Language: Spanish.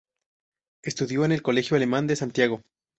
Estudió en el Colegio Alemán de Santiago.